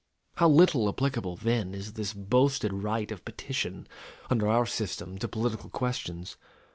How little applicable, then, is this boasted right of petition, under our system, to political questions?